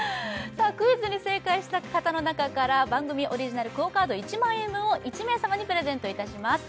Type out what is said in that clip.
クイズに正解した方の中から番組オリジナルＱＵＯカード１万円分を１名様にプレゼントいたします